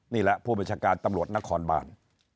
นี่แหละผู้บัญชาการตำรวจนครบาน